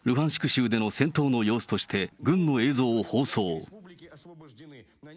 州での戦闘の様子として、軍の映像を放送。